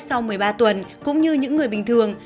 sau một mươi ba tuần cũng như những người bình thường